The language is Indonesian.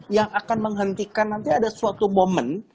yang akan menghentikan nanti ada suatu momen